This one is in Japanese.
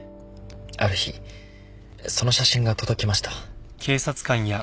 ある日その写真が届きました。